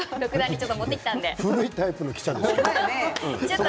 古いタイプの記者ですね。